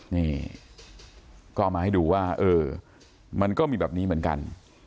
นี่ก็เอามาให้ดูว่าเออมันก็มีแบบนี้เหมือนกัน